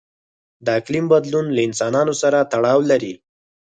د اقلیم بدلون له انسانانو سره تړاو لري.